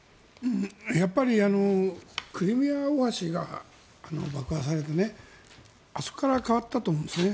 やっぱりクリミア大橋が爆破されてあそこから変わったと思うんですね。